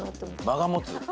間が持つ？